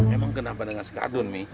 emang kenapa dengan si kardun mi